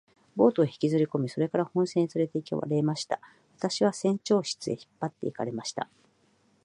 ボートへ引きずりこみ、それから本船へつれて行かれました。そして私は船長室へ引っ張って行かれました。